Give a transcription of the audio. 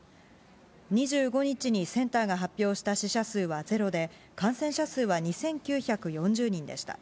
２５日にセンターが発表した死者数はゼロで、感染者数は２９４０人でした。